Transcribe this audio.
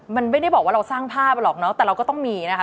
มันไม่ได้บอกว่าเราสร้างภาพหรอกเนาะแต่เราก็ต้องมีนะคะ